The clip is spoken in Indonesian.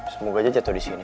semoga aja jatuh disini